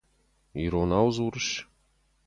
Иронау дзурыс?